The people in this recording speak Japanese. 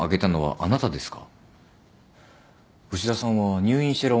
あなたですか？